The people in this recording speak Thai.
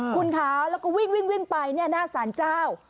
คุณขาวแล้วก็วิ่งไปเนี่ยหน้าสารเจ้า